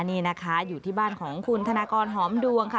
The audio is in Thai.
นี่นะคะอยู่ที่บ้านของคุณธนากรหอมดวงค่ะ